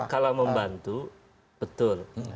kalau membantu betul